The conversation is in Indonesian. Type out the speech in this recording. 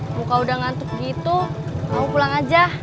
muka udah ngantuk gitu mau pulang aja